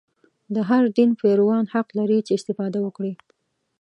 د هر دین پیروان حق لري چې استفاده وکړي.